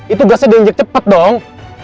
itu gasnya diinjek cepet dong